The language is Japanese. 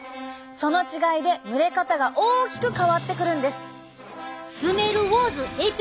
その違いで蒸れ方が大きく変わってくるんです。